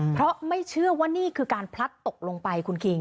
เพราะไม่เชื่อว่านี่คือการพลัดตกลงไปคุณคิง